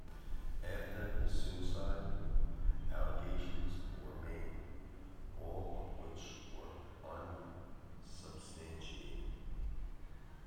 After his suicide, allegations were made, all of which were unsubstantiated.